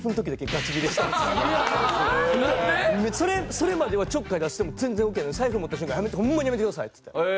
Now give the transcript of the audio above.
それまではちょっかい出しても全然オッケーなのに財布持った瞬間ホンマにやめてくださいっつって。